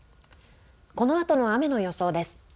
このあとの雨の予想です。